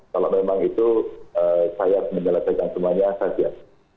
kalau memang itu saya menjelaskan semuanya saya siap